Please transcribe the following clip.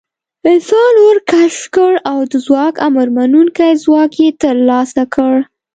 انسان اور کشف کړ او د ځواک امرمنونکی ځواک یې تر لاسه کړ.